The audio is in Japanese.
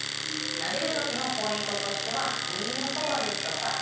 なでる時のポイントとしては耳のそばですとか